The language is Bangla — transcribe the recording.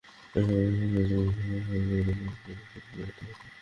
মরিসন, সুয়ারেস, ইব্রাহিম মিলে প্রথম ত্রিশ মিনিটে অন্তত একটা গোল পেতেই পারতেন।